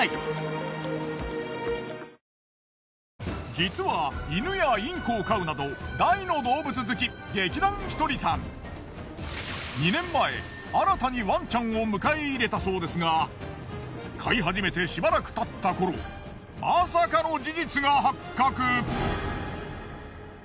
実は犬やインコを飼うなど２年前新たにワンちゃんを迎え入れたそうですが飼い始めてしらばくたった頃まさかの事実が発覚。